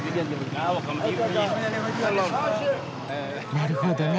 なるほどね。